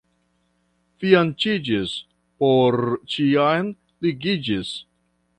Fianĉiĝis — por ĉiam ligiĝis.